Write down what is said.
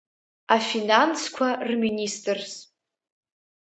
Афинансқәа рминистрс…